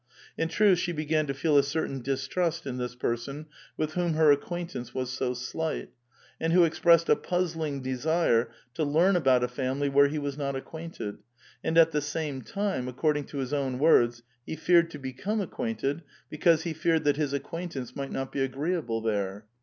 In truth, she began to feel a certain distrust in this person with whom her acquaintance was so slight, and who expressed a puzzling desire to learn about a family where he was not acquainted, and at the same time, according to his own words, he feared to become ac « quainted because he feared that his acquaintance might not be agreeable there.